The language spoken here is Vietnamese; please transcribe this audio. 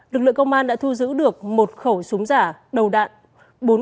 lực lượng công an đã thu giữ được một khẩu súng giả đầu đạn